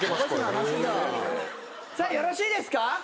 よろしいですか？